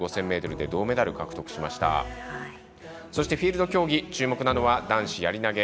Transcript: そしてフィールド競技注目なのは男子やり投げ。